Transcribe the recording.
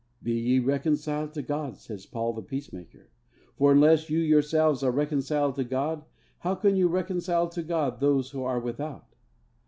'Be ye reconciled to God,' says Paul the Peacemaker 'for unless you yourselves are reconciled to God, how can you reconcile to God those who are without?'